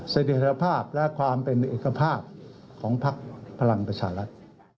เสถียรภาพและความเป็นเอกภาพของพักพลังประชารัฐ